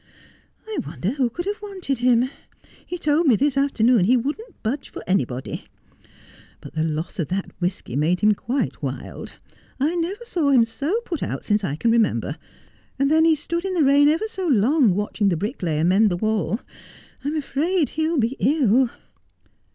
'I wonder who could have wanted him? He told me this afternoon he wouldn't budge for anybody. But the loss of that whisky made him quite wild. I never saw him so put out since I can remember ; and then he stood in the rain ever so long watching the bricklayer mend the wall. I'm afraid he'll be ill.'